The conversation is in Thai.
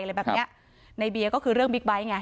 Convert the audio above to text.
พ่อเขาไปอะไรแบบเนี้ยครับในเบียก็คือเรื่องบิ๊กไบท์ไง